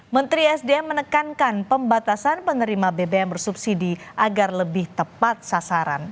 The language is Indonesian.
menteri sdm menekankan pembatasan penerima bbm bersubsidi agar lebih tepat sasaran